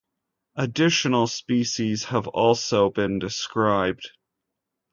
Additional species have also been described.